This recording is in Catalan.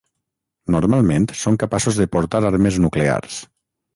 Normalment són capaços de portar armes nuclears.